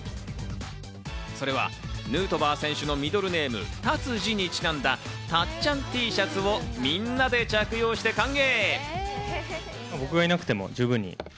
それはヌートバー選手のミドルネーム、タツジにちなんだ、たっちゃんＴシャツをみんなで着用して歓迎。